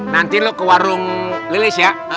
nanti lo ke warung lilis ya